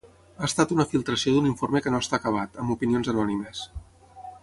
Ha estat una filtració d’un informe que no està acabat, amb opinions anònimes.